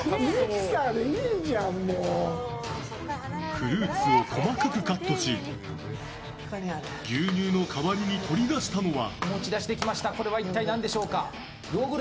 フルーツを細かくカットし牛乳の代わりに取り出したのは。